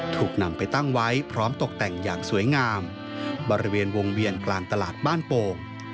ถูกนำไปตั้งไว้พร้อมตกแต่งอย่างสวยงามบริเวณวงเวียนกลางตลาดบ้านโป่ง